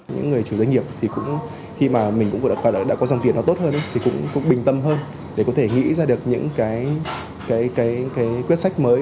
những người chủ doanh nghiệp khi mà mình đã có dòng tiền tốt hơn thì cũng bình tâm hơn để có thể nghĩ ra được những cái quyết sách mới